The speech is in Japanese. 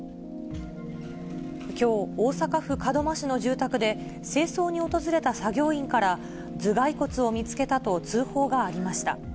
きょう、大阪府門真市の住宅で、清掃に訪れた作業員から、頭蓋骨を見つけたと通報がありました。